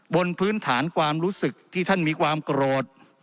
บนพื้นฐานความรู้สึกที่ท่านมีความโกรธ